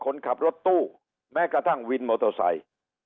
คนขับรถตู้แม้กระทั่งวินมอเตอร์ไซค์